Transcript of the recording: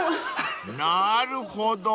［なーるほど］